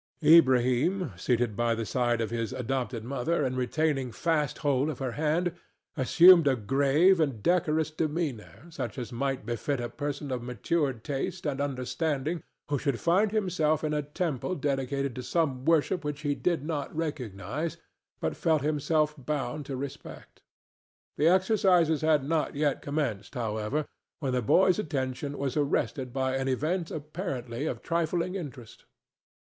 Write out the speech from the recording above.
Ilbrahim, seated by the side of his adopted mother and retaining fast hold of her hand, assumed a grave and decorous demeanor such as might befit a person of matured taste and understanding who should find himself in a temple dedicated to some worship which he did not recognize, but felt himself bound to respect. The exercises had not yet commenced, however, when the boy's attention was arrested by an event apparently of trifling interest.